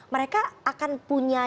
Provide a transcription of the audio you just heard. mereka akan punya nyatanya